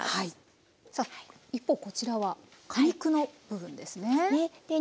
さあ一方こちらは果肉の部分ですね。